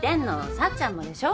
幸ちゃんもでしょ？